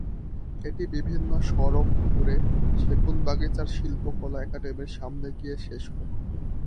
এটি বিভিন্ন সড়ক ঘুরে সেগুনবাগিচার শিল্পকলা একাডেমীর সামনে গিয়ে শেষ হয়।